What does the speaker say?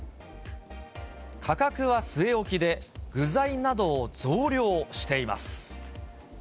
価格は据え置きで、具材などを増量しています。